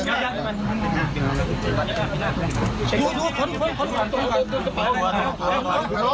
สวัสดีครับสวัสดีครับ